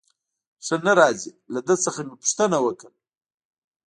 ښه نه راځي، له ده څخه مې پوښتنه وکړل.